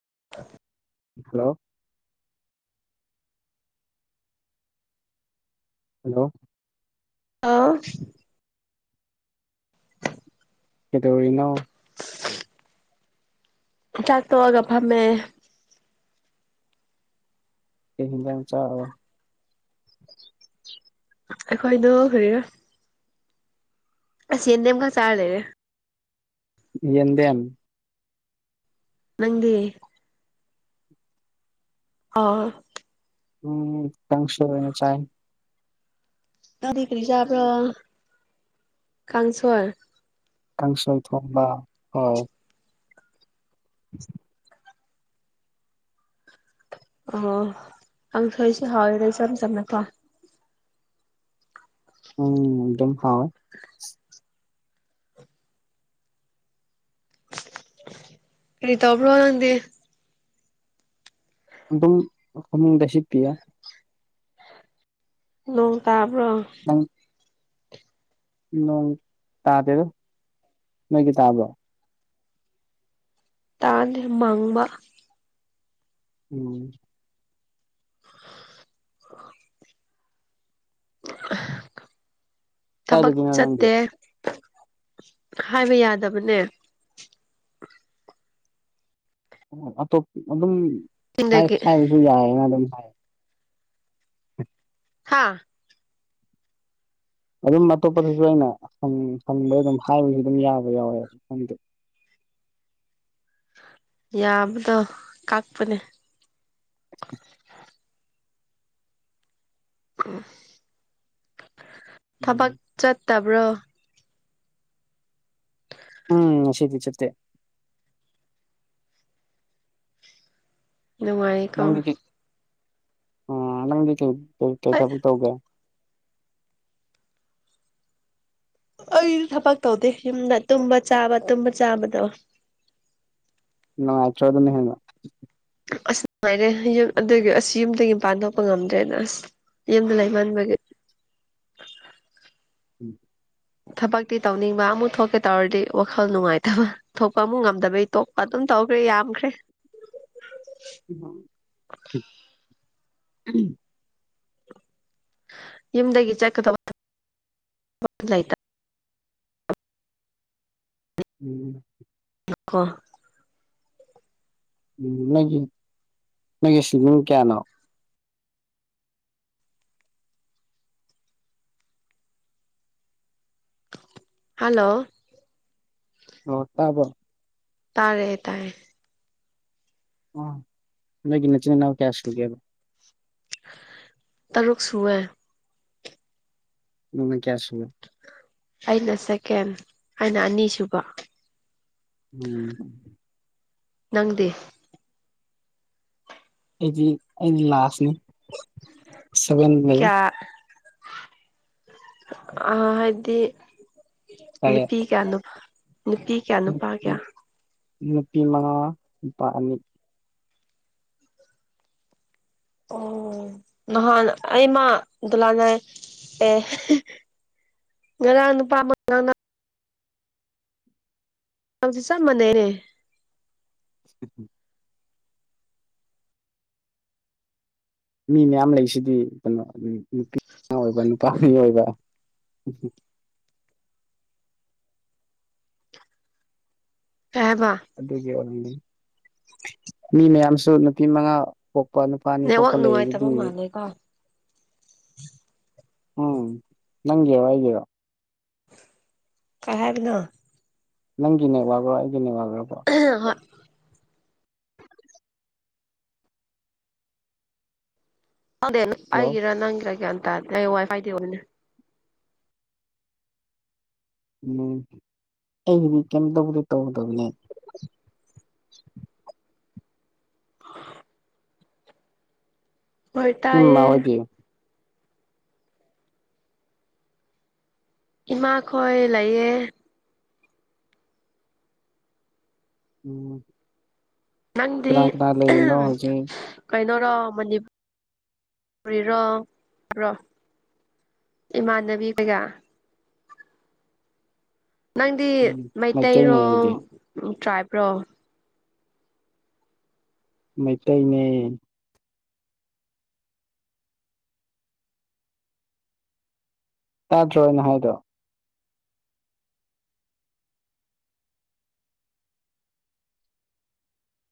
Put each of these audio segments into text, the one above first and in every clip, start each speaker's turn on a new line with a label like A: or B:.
A: [unintelligible]
B: Hello hello
A: ꯑꯥ
B: ꯍꯗꯧꯔꯤꯅꯣ
A: ꯆꯥꯛ ꯇꯒ ꯐꯃꯦ
B: ꯀ ꯂꯥꯡ ꯆꯥ
A: ꯑꯩꯈꯣꯏꯗꯣ ꯍꯔ ꯁꯗꯦꯝ ꯀ ꯆꯥꯔ ꯂꯩꯔꯦ
B: ꯌꯦꯟꯗꯦꯝ
A: ꯅꯪꯗꯤꯦ ꯑꯣ
B: ꯎꯝ ꯀꯪꯁꯨ ꯑꯣꯏꯣꯏꯅ ꯆꯥꯏ
A: ꯀꯔꯤ ꯀꯔꯤ ꯆꯕ꯭ꯔꯣ ꯀꯥꯡꯥꯡꯁꯣꯔ
B: ꯀꯥꯡꯁꯣꯏ ꯊꯝꯕ ꯍ [unintelligible]
A: ꯑꯣ ꯑꯁꯨꯁ ꯍꯥꯎꯦꯁꯨ ꯌꯥꯝ ꯆꯝꯅꯀ
B: ꯎꯝꯗꯝꯝ ꯍꯦ
A: ꯔꯔꯤꯇꯥ꯭ꯔꯣ ꯋꯥꯗꯦ
B: ꯑꯗꯨꯝ ꯐꯃꯨꯡꯗ ꯁꯤꯠꯄꯤꯌꯦ
A: ꯅꯣꯡ ꯇꯥꯕ꯭ꯔꯣ
B: ꯅꯪ ꯅꯣꯡ ꯇꯥꯗꯦꯗ ꯅꯣꯏꯒꯤ ꯇꯥꯕ꯭ꯔꯣ
A: ꯇꯥꯟ ꯃꯥꯡꯃ
B: ꯎꯝ
A: ꯊꯕꯛ
B: ꯀꯥꯏꯗꯒꯤꯅꯣ ꯅꯪꯗꯤ
A: ꯆꯠꯇꯦ ꯍꯥꯏꯕ ꯌꯥꯗꯕꯅꯦ
B: ꯑꯣ ꯑꯇꯣꯞ ꯑꯗꯨꯝ
A: ꯆꯤꯡꯗꯒꯤ
B: ꯁꯥꯏꯕꯁꯨ ꯌꯥꯏꯑꯅ ꯑꯗꯨꯝ ꯍꯥꯏ
A: ꯍꯥꯥ
B: ꯑꯗꯨꯝ ꯑꯇꯣꯞꯄꯗꯁꯨ ꯑꯩꯅ ꯍꯪꯕꯩ ꯑꯗꯨꯝ ꯍꯥꯏꯕꯁꯨ ꯑꯗꯨꯝ ꯌꯥꯕ ꯌꯥꯎꯋꯦ ꯈꯪꯗꯦ
A: ꯌꯥꯕꯗꯣ ꯀꯛꯄꯅꯦ
B: ꯎꯝ
A: ꯊꯕꯥꯛ ꯆꯠ ꯇꯥꯕ꯭ꯔꯣ
B: ꯎꯝ ꯁꯤꯦꯗꯤ ꯆꯠꯇꯦ
A: ꯅꯨꯡꯉꯥꯏꯀꯥꯎ
B: ꯑꯪꯗꯤ ꯀꯩ ꯊ
A: ꯑꯩ
B: ꯇꯧꯒꯦ
A: ꯑꯩꯗꯤ ꯊꯕꯛ ꯇꯧꯗꯦ ꯌꯨꯝꯗ ꯇꯨꯝꯕ ꯆꯥꯕ ꯇꯨꯝꯕ ꯆꯥꯕꯗꯣ
B: ꯅ ꯑꯦꯆ ꯑꯗꯨꯅ ꯍꯦꯟꯅ
A: ꯑꯁ ꯅꯨꯡꯉꯥꯏꯔꯦ ꯌꯨꯝ ꯑꯗꯨꯒꯤ ꯑꯁ ꯌꯨꯝꯗꯒꯤ ꯃꯄꯥꯟ ꯊꯣꯛꯄ ꯉꯝꯗ꯭ꯔꯦꯗ ꯑꯁ ꯌꯦꯗ ꯂꯩꯕꯟ ꯃꯒ
B: ꯎꯝ
A: ꯊꯕꯛꯇꯤ ꯇꯧꯅꯤꯡꯕ ꯑꯃꯨꯛ ꯊꯣꯛꯀꯦ ꯇꯧꯔꯗꯤ ꯋꯥꯈꯜ ꯅꯨꯡꯉꯥꯏꯇꯕ ꯊꯣꯛꯄ ꯑꯃꯨꯛ ꯉꯝꯗꯕꯩ ꯊꯣꯛꯄ ꯑꯗꯨꯝ ꯇꯧꯈ꯭ꯔꯦ ꯌꯥꯝꯈ꯭ꯔꯦ
B: ꯎꯝ
A: ꯏꯝꯗꯗꯒꯤ ꯆꯀꯗ
B: ꯎꯝ
A: ꯂꯣ
B: ꯎ ꯅꯪꯒꯤ ꯅꯪꯒꯤ ꯁ꯭ꯋꯤꯃꯤꯡ ꯀꯌꯥꯅꯣ
A: ꯍꯂꯣ
B: ꯑ ꯇꯕ
A: ꯇꯥꯔꯦ ꯇꯥꯔꯦ
B: ꯑꯒꯤꯟꯅ ꯆꯟꯅ ꯀꯌꯥꯁꯒꯦꯕ
A: ꯇꯔꯛ ꯁꯨꯋꯦ
B: ꯅꯅ ꯀꯌꯥꯁ
A: ꯑꯩꯅ ꯁꯦꯀꯦꯟ ꯑꯩꯅ ꯑꯅꯤꯁꯨꯨꯕ
B: ꯎꯝ
A: ꯅꯪꯗꯦ
B: ꯑꯩꯗꯤ ꯑꯩꯗꯤ ꯂꯥꯁꯅꯤ ꯁꯚꯦꯟ ꯂꯩ
A: ꯑ
B: ꯇꯔꯦꯠ
A: ꯍꯥꯏꯗꯤꯄꯤꯤ ꯀꯌꯥꯗ ꯅꯨꯄꯤ ꯀꯌꯥ ꯅꯨꯄꯥ
B: ꯅꯨꯄꯤ
A: ꯀꯌꯥ
B: ꯅꯨꯄꯤ ꯃꯉꯥ ꯅꯨꯄꯥ ꯑꯅꯤ
A: ꯑꯣ ꯅꯍꯥꯟ ꯑꯩꯃ ꯂꯥꯖꯥꯏ ꯑꯦ ꯉꯔ ꯅꯨꯄꯥ ꯑꯃꯅ ꯗꯤ ꯆ ꯃꯅꯦꯔꯦ
B: ꯎ ꯃꯤ ꯃꯌꯥꯝ ꯂꯩꯁꯤꯗꯤ ꯀꯩꯅꯣ ꯅꯨꯄꯤ ꯑꯣꯏꯕ ꯅꯨꯄꯥ ꯃꯤ ꯑꯣꯏꯕ ꯎ
A: ꯀꯩ ꯍꯥꯏꯕ
B: ꯑꯗꯨꯒꯤ ꯑꯣꯏꯅꯗꯤ ꯃꯤ ꯃꯌꯥꯝꯁꯨ ꯅꯨꯄꯤ ꯃꯉꯥ ꯄꯣꯛꯄ ꯅꯨꯄꯥꯅꯤ
A: ꯅꯦꯠꯋꯥꯛ
B: ꯄꯣꯛꯄ ꯂꯩ
A: ꯅꯨꯡꯉꯥꯏꯇꯕ
B: ꯑꯗꯨꯗꯤ
A: ꯃꯥꯜꯂꯦꯀꯣ [unintelligible]
B: ꯎꯝ ꯅꯪꯒꯦ ꯋꯥ ꯍꯥꯏꯒꯦꯔ
A: ꯀꯕꯅ
B: ꯅꯪꯒꯤꯅꯦ ꯋꯥꯜꯂꯣꯒꯅꯦ ꯋꯥꯜꯂꯣ
A: ꯑ ꯍ ꯗꯦ
B: ꯍꯜꯂꯣ
A: ꯑꯩꯒꯤꯔ ꯅꯪꯒꯤꯤꯔꯒꯦ ꯋꯥꯏꯐꯥꯏꯗꯦꯅꯦ
B: ꯎꯝ ꯑꯩꯒꯤꯗꯤ ꯀꯩꯝ ꯇꯕꯨꯗꯤ ꯇꯧꯒꯗꯕꯅꯦ [unintelligible] [unintelligible]
A: ꯍꯣꯏ
B: ꯅꯣꯏ
A: ꯇꯌꯦ
B: ꯃꯥ ꯍꯣꯏꯗꯤ
A: ꯏꯃꯥ ꯈꯣꯏ ꯂꯩꯌꯦꯦ
B: ꯎꯝ
A: ꯅꯪꯗꯤ
B: ꯀꯅꯥ ꯀꯅꯥ ꯂꯩꯔꯤꯅꯣ ꯍꯧꯖꯤꯛ
A: ꯀꯩꯅꯔꯣ ꯃꯅꯤꯔꯤꯔꯣꯣ ꯏꯃꯥꯟꯅꯕꯤ ꯄꯒ ꯅꯪꯗꯤ
B: ꯎꯝ ꯃꯩꯇꯩꯅꯦ
A: ꯃꯩꯇꯩꯔꯣ
B: ꯑꯩꯗꯤ
A: ꯇ꯭ꯔꯥꯏꯕꯔꯣ
B: ꯃꯩꯇꯩꯅꯦ ꯇꯥꯗ꯭ꯔꯣ ꯅ ꯍꯥꯏꯗꯣ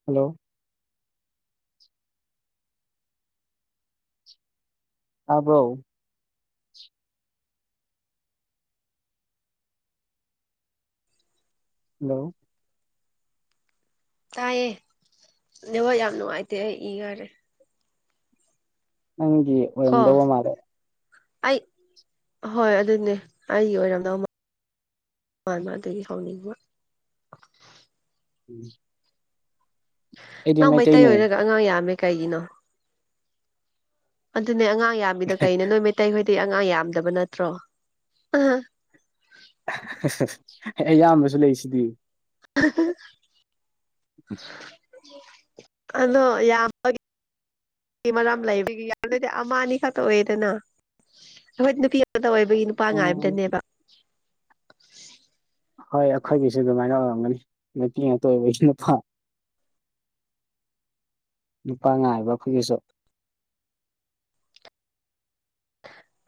B: ꯍꯜꯂꯣ ꯑꯥꯕꯧ ꯍꯜꯂꯣ
A: ꯇꯥꯏꯌꯦꯦ ꯅ ꯍꯣꯏ ꯌꯥꯝ ꯅꯨꯡꯉꯥꯏꯇꯦ ꯑꯩ ꯏꯈꯔꯦ
B: ꯅꯪꯒꯤꯤ
A: ꯀꯣ
B: ꯑꯣꯏꯔꯗꯧꯕ ꯃꯥꯔꯦ
A: ꯑꯩ ꯍꯣꯏ ꯑꯗꯨꯅꯦ ꯑꯩ ꯑꯣꯏꯔꯝꯗꯧ ꯍ ꯃꯥ ꯇꯗꯒꯤ ꯍꯥꯎꯅꯤꯀ
B: ꯎꯝ
A: ꯅꯪ ꯃꯩꯇꯩ ꯑꯣꯏꯔꯒ ꯑꯉꯥꯡ ꯌꯥꯝꯃꯦ ꯀꯩꯒꯤꯅꯣ ꯑꯗꯨꯅꯦ ꯑꯉꯥꯡ ꯑꯉꯥꯡ ꯌꯥꯝꯃꯤꯗ ꯀꯩꯅ ꯅꯣꯏ ꯃꯩꯇꯩꯈꯣꯏꯗꯤ ꯑꯉꯥꯡ ꯌꯥꯝꯗꯕ ꯅꯠꯇ꯭ꯔꯣ ꯑ
B: ꯑꯌꯥꯝꯕꯁꯨ ꯂꯩꯁꯤꯗꯤ
A: [unintelligible]
B: [unintelligible]
A: ꯑꯗꯣ ꯌꯥꯝꯃ ꯅꯨ ꯃꯔꯥꯝ ꯂꯩꯕꯒꯤ ꯌꯥꯔꯗꯗꯤ ꯑꯃ ꯑꯅꯤ ꯈꯛꯇ ꯑꯣꯏꯌꯦꯗꯅ ꯑꯩꯈꯣꯏ ꯅꯨꯄꯤ ꯑꯣꯏꯕꯒꯤ ꯅꯨꯄꯥ
B: ꯎꯝ
A: ꯉꯥꯏꯕꯗꯅꯦꯕ
B: ꯍꯣꯏ ꯑꯩꯈꯣꯏꯒꯤꯁꯨ ꯑꯗꯨꯃꯥꯏꯅ ꯑꯣꯏꯔꯝꯒꯅꯤ ꯅꯨꯄꯤ ꯑꯇꯣꯏꯕꯒꯤ ꯅꯨꯄꯥꯥ꯫ ꯅꯨꯨꯄꯥ ꯉꯥꯏꯕ ꯑꯩꯈꯣꯏꯒꯤꯁꯨ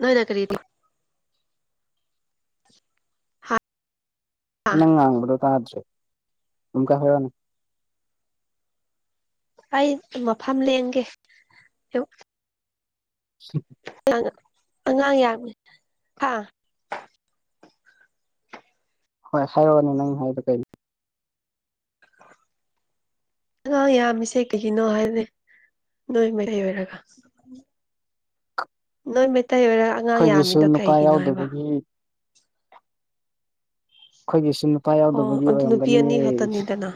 A: ꯅꯣꯏꯅ ꯀꯔꯤꯗꯤ
B: ꯅꯪ ꯉꯥꯡꯕꯗꯣ ꯇꯥꯗ꯭ꯔꯦ ꯑꯃꯨꯛꯀ ꯍꯥꯏꯅꯦ
A: ꯑꯩ ꯃꯐꯝ ꯂꯦꯡꯒꯦ ꯑꯥ ꯑꯉꯥꯡ ꯌꯥꯕ ꯑꯥ
B: ꯍꯣꯏ ꯍꯥꯏꯔꯛꯑꯣꯅꯤ ꯅꯪ ꯍꯥꯏꯕ ꯀꯩꯅꯩꯅꯣ [inaudible]
A: ꯑꯉꯥꯡ ꯌꯥꯝꯃꯤꯁꯦ ꯀꯩꯒꯤꯅꯣ ꯍꯥꯏꯗꯤꯦ ꯅꯣꯏ ꯃ ꯂꯩꯩ ꯑꯣꯏꯔꯒ ꯅꯣꯏ ꯃꯩꯇꯩ ꯑꯣꯏꯔꯒ ꯑꯉꯥꯡ
B: ꯑꯩꯈꯣꯏꯒꯤꯁꯨ
A: ꯌꯥꯝꯃꯤꯗꯣ
B: ꯅꯨꯄꯥ
A: ꯀꯩꯒꯤꯅꯣ ꯍꯥꯏꯕ
B: ꯌꯥꯎꯗꯕꯒꯤ ꯑꯩꯈꯣꯏꯒꯤꯁꯨ ꯅꯨꯄꯥ
A: ꯑꯣ
B: ꯌꯥꯎꯗꯕꯒꯤ
A: ꯑꯗꯨ ꯅꯨꯄꯤ ꯑꯅꯤ
B: ꯑꯣꯏꯔꯝꯒꯅꯤꯌꯦ
A: ꯈꯛꯇꯅꯤꯗꯅ